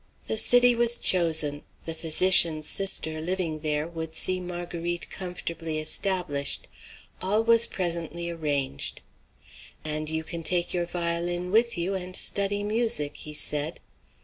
The city was chosen; the physician's sister, living there, would see Marguerite comfortably established. All was presently arranged. "And you can take your violin with you, and study music," he said.